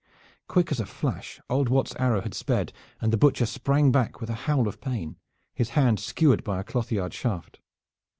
Quick as a flash old Wat's arrow had sped, and the Butcher sprang back with a howl of pain, his hand skewered by a cloth yard shaft.